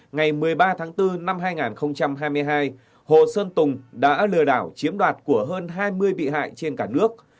ngày một mươi ba tháng bốn năm hai nghìn hai mươi hai hồ sơn tùng đã lừa đảo chiếm đoạt của hơn hai mươi bị hại trên cả nước